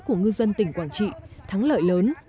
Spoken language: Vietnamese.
của ngư dân tỉnh quảng trị thắng lợi lớn